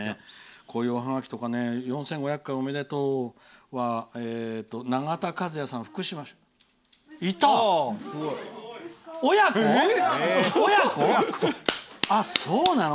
こういうおはがきとか「４５００回おめでとう」はながたかずやさん、福島の。